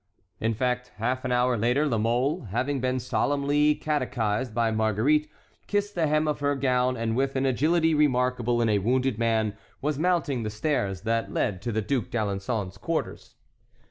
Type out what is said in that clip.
In fact, half an hour later La Mole, having been solemnly catechised by Marguerite, kissed the hem of her gown and with an agility remarkable in a wounded man was mounting the stairs that led to the Duc d'Alençon's quarters.